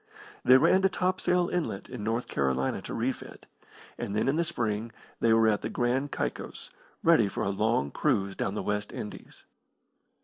They ran to Topsail Inlet in North Carolina to refit, and then in the spring they were at the Grand Caicos, ready for a long cruise down the West Indies.